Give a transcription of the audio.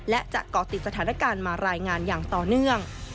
และจะเกาะติดสถานการณ์มารายงานอย่างต่อเนื่อง